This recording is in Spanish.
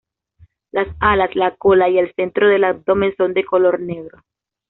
Las alas, la cola y el centro del abdomen son de color negro.